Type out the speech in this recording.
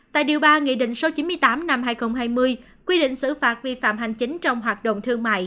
tại điều ba nghị định số chín mươi tám năm hai nghìn hai mươi quy định xử phạt vi phạm hành chính trong hoạt động thương mại